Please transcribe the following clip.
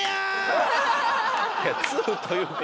「２」というか。